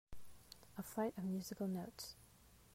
A flight of musical notes.